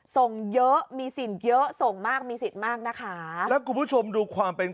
ส่งเยอะมีสิทธิ์เยอะส่งมากมีสิทธิ์มากนะคะแล้วคุณผู้ชมดูความเป็น